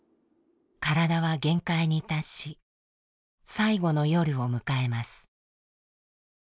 体は限界に達し最後の夜を迎えます。